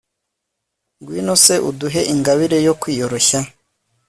ngwino se uduhe ingabire yo kwiyoroshya